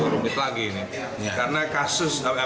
rumit lagi ini